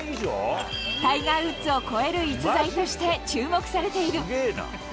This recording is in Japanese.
タイガー・ウッズを超える逸材として注目されている。